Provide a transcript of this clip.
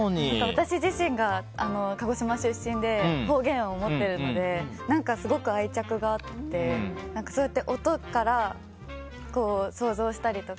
私自身が鹿児島出身で方言を持っているのですごく愛着があってそうやって音から想像したりとか。